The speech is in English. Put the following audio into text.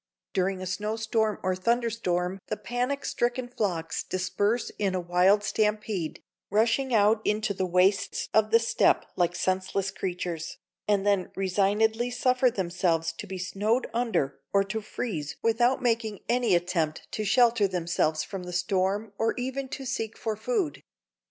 During a snowstorm or thunderstorm the panicstricken flocks disperse in a wild stampede, rushing out into the wastes of the steppe like senseless creatures, and then resignedly suffer themselves to be snowed under or to freeze without making any attempt to shelter themselves from the storm or even to seek for food."